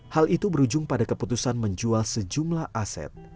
hal itu berujung pada keputusan menjual sejumlah aset